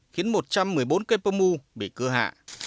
khiến một trăm một mươi bốn cây pơ mu bị cưa hạ